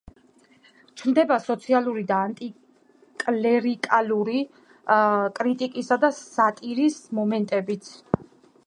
ჩნდება სოციალური და ანტიკლერიკალური კრიტიკისა და სატირის მომენტებიც.